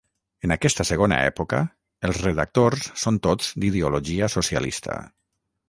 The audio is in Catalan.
En aquesta segona època els redactors són tots d'ideologia socialista.